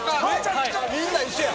みんな一緒や！